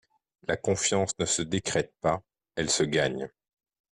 La confiance ne se décrète pas, elle se gagne.